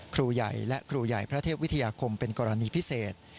ครูใหญ่และครูใหญ่พระเทพวิทยาคมเป็นกรณีพิเศษ